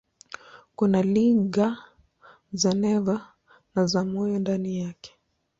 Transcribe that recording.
Kuna liga za neva na za moyo ndani yake.